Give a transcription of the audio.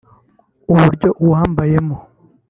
uburyo awambayemo